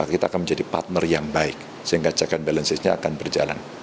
kita akan menjadi partner yang baik sehingga cekan balansisnya akan berjalan